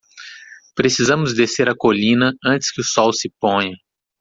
Precisamos descer a colina antes que o sol se ponha.